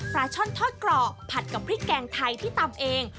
ช่อนทอดกรอบผัดกับพริกแกงไทยที่ตำเอง